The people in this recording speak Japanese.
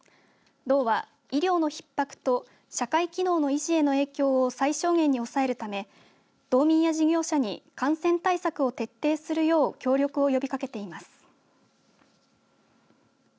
道は、医療のひっ迫と社会機能の維持への影響を最小限に抑えるため道民や事業者に感染対策を徹底するよう協力を呼びかけています。